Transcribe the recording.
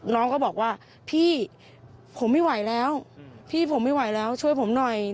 น้องก็บอกว่าพี่ผมไม่ไหวแล้วพี่ผมไม่ไหวแล้วช่วยผมหน่อย